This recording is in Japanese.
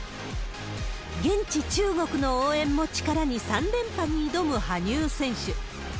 現地、中国の応援も力に、３連覇に挑む羽生選手。